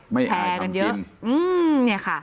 ไม่อายกลับกินแชร์กันเยอะอืมเนี่ยค่ะ